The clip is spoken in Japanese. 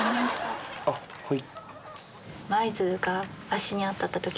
あっはい。